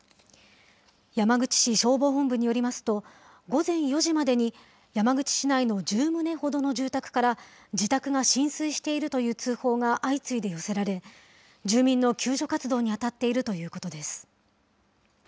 山口市消防本部によりますと、午前４時までに山口市内の１０棟ほどの住宅から、自宅が浸水しているという通報が相次いで寄せられ、住民の救助活動に当たっているということです。